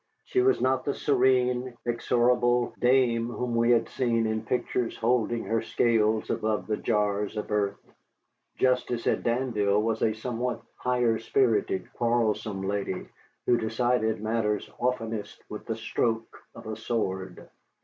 She was not the serene, inexorable dame whom we have seen in pictures holding her scales above the jars of earth. Justice at Danville was a somewhat high spirited, quarrelsome lady who decided matters oftenest with the stroke of a sword.